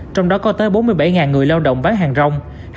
trong đó có tới bốn mươi bảy người lao động bán hàng rong